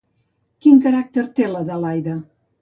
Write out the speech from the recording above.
Quin caràcter té l'Adelaida?